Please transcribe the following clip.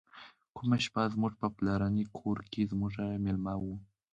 کومه شپه زموږ په پلرني کور کې زموږ میلمه و.